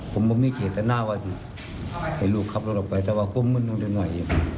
ผมไม่มีเกตน่าว่าให้ลูกขับรถออกไปแต่ว่าความมืดของเด็กหน่อย